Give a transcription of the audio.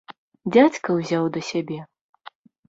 Дзядзька ўзяў да сябе.